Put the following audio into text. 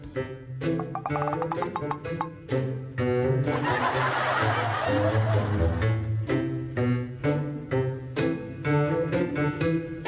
สวัสดีครับ